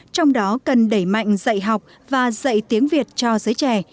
trong đó cần đẩy mạnh dạy học và dạy tiếng việt cho giới trẻ